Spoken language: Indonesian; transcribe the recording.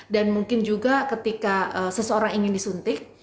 dan mungkin juga ketika seseorang ingin disuntik